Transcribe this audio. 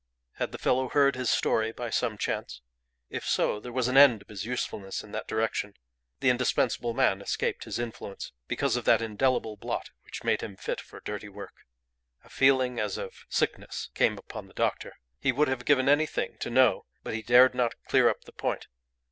Had the fellow heard his story by some chance? If so, there was an end of his usefulness in that direction. The indispensable man escaped his influence, because of that indelible blot which made him fit for dirty work. A feeling as of sickness came upon the doctor. He would have given anything to know, but he dared not clear up the point.